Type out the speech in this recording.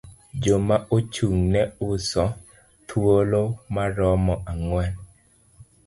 Joma ochung' ne uso, thuolo maromo ang'wen.